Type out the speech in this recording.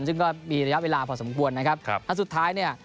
ซึ่งก็มีระยะเวลาพอสมควรนะครับแล้วสุดท้ายเนี่ย